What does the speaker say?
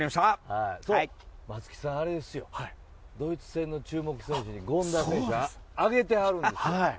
松木さんドイツ戦の注目選手に権田選手を挙げてはるんですよ。